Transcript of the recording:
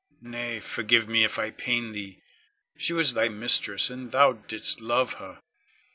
Nay, forgive me if I pain thee. She was thy mistress, and thou didst love her.